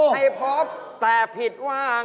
ให้พบแต่ผิดว่าง